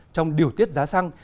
trong điều tiết giá xăng